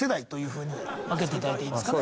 ふうに分けていただいていいんですか？